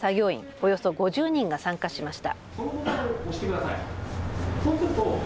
およそ５０人が参加しました。